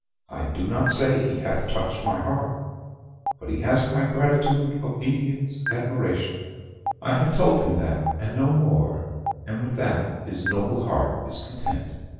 I do not say he hath touched my heart; but he has my gratitude, obedience, admiration I have told him that, and no more; and with that his noble heart is content.